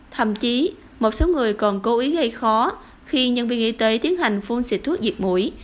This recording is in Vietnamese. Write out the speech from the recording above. thậm chí một số người còn cố ý gây khó khi nhân viên y tế tiến hành phun xịt thuốc diệt mũi